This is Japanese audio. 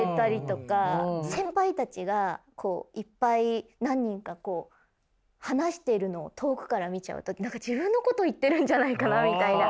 先輩たちがいっぱい何人か話してるのを遠くから見ちゃう時何か自分のこと言ってるんじゃないかなみたいな。